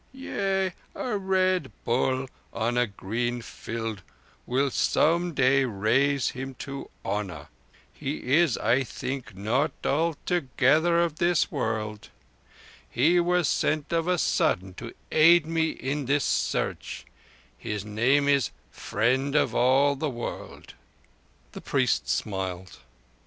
Yea, a Red Bull on a green field will some day raise him to honour. He is, I think, not altogether of this world. He was sent of a sudden to aid me in this search, and his name is Friend of all the World." The priest smiled.